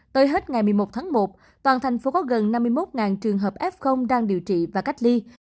tới hết ngày một mươi một tháng một toàn thành phố có gần năm mươi một trường hợp f đang điều trị và cách ly